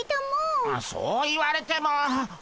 そう言われても。